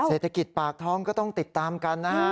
เศรษฐกิจปากท้องก็ต้องติดตามกันนะฮะ